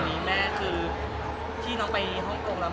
มีแม่คือที่น้องไปฮ่องกงแล้ว